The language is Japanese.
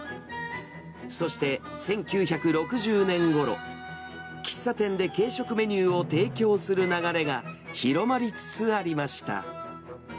そして、１９６０年ごろ、喫茶店で軽食メニューを提供する流れが広まりつつありました。